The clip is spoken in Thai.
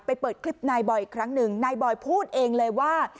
เปิดคลิปนายบอยอีกครั้งหนึ่งนายบอยพูดเองเลยว่า